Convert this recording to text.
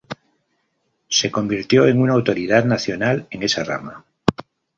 Se convirtió en una autoridad nacional en esa rama.